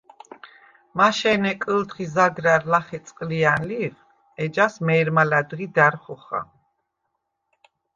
მაშე̄ნე კჷლთხი ზაგრა̈რ ლახე წყჷლჲა̈ნ ლიხ, ეჯას მე̄რმა ლა̈დღი და̈რ ხოხა.